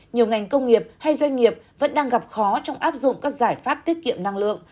nhiều ngành công nghiệp hay doanh nghiệp vẫn đang gặp khó trong áp dụng các giải pháp tiết kiệm năng lượng